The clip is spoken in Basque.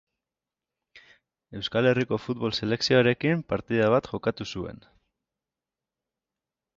Euskal Herriko futbol selekzioarekin partida bat jokatu zuen.